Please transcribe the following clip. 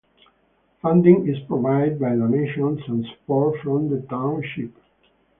Funding is provided by donations and support from the township.